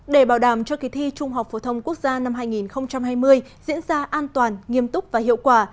để bảo đảm cho kỳ thi trung học phổ thông quốc gia năm hai nghìn hai mươi diễn ra an toàn nghiêm túc và hiệu quả